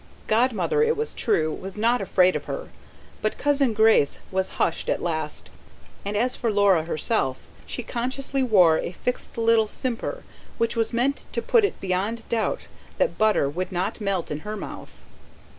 Godmother, it was true, was not afraid of her; but Cousin Grace was hushed at last and as for Laura herself, she consciously wore a fixed little simper, which was meant to put it beyond doubt that butter would not melt in her mouth.